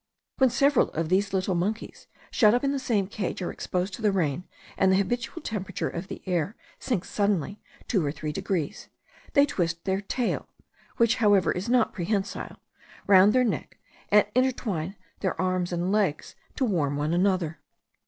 When several of these little monkeys, shut up in the same cage, are exposed to the rain, and the habitual temperature of the air sinks suddenly two or three degrees, they twist their tail (which, however, is not prehensile) round their neck, and intertwine their arms and legs to warm one another.